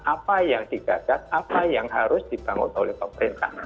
apa yang digagas apa yang harus dibangun oleh pemerintah